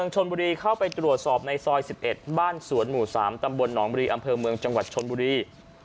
ชนบุรีเข้าไปตรวจสอบในซอย๑๑บ้านสวนหมู่๓ตำบลหนองบุรีอำเภอเมืองจังหวัดชนบุรี